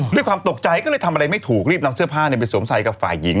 ด้วยความตกใจก็เลยทำอะไรไม่ถูกรีบนำเสื้อผ้าไปสวมใส่กับฝ่ายหญิง